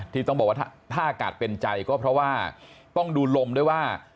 ที่ต้องบอกว่าถ้าอากาศเป็นใจก็เพราะว่าต้องดูลมด้วยว่า